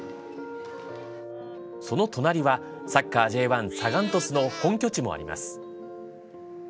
その隣は、サッカーＪ１サガン鳥栖の本拠地もあります。